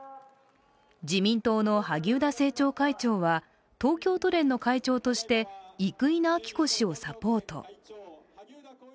自民党の萩生田政調会長は東京都連の会長として生稲晃子氏をサポート。